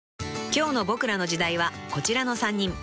［今日の『ボクらの時代』はこちらの３人］